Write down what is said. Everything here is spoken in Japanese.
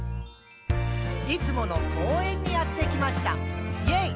「いつもの公園にやってきました！イェイ！」